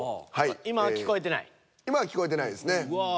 今は聞こえてないですね。